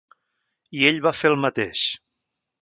I ell va fer el mateix.